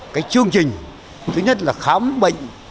cái chương trình thứ nhất là khám bệnh